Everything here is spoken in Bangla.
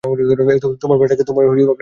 তোমার প্ল্যানটা কী?